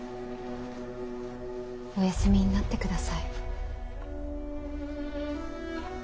お休みになってください。